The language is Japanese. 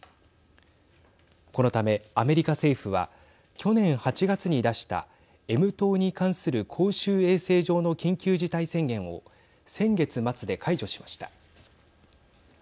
このためアメリカ政府は去年８月に出したＭ痘に関する公衆衛生上の緊急事態宣言を先月末で解除しました。